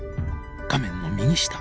画面の右下。